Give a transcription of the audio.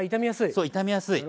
そう傷みやすい。